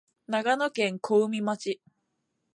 長野県小海町